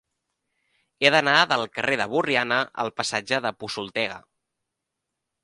He d'anar del carrer de Borriana al passatge de Posoltega.